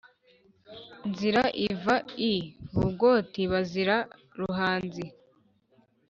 nzira iva i bugoti bazira ruhanzi